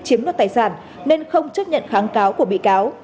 chiếm đoạt tài sản nên không chấp nhận kháng cáo của bị cáo